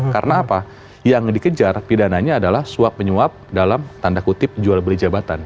karena apa yang dikejar pidananya adalah suap menyuap dalam tanda kutip jual beli jabatan